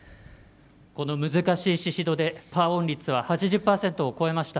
この難しい宍戸でパーオン率は８０％を超えました。